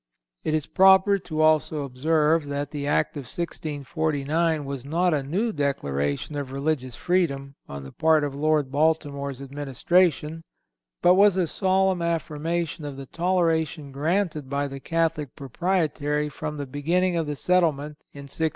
It is proper to also observe that the Act of 1649 was not a new declaration of religious freedom on the part of Lord Baltimore's administration, but was a solemn affirmation of the toleration granted by the Catholic Proprietary from the beginning of the Settlement in 1634.